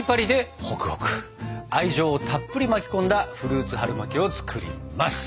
愛情をたっぷり巻き込んだフルーツ春巻きを作ります！